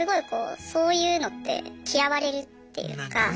こうそういうのって嫌われるっていうか。